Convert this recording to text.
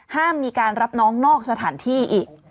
ห้ามมีการรับน้องนอกสถานที่อีก